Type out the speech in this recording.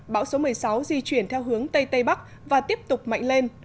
bão số một mươi sáu di chuyển theo hướng tây tây bắc và tiếp tục mạnh lên